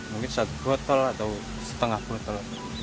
mungkin satu botol atau setengah botol